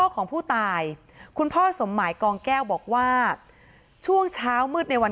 ของผู้ตายคุณพ่อสมหมายกองแก้วบอกว่าช่วงเช้ามืดในวัน